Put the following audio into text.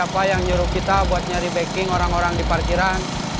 apa yang nyuruh kita buat nyari backing orang orang di parkiran